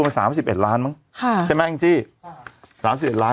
ทำงานครบ๒๐ปีได้เงินชดเฉยเลิกจ้างไม่น้อยกว่า๔๐๐วัน